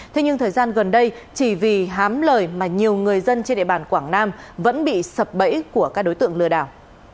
thế nhưng thời gian gần đây chỉ vì hám lời mà nhiều người dân trên địa bàn quảng nam vẫn bị sập bẫy của các đối tượng lừa đảo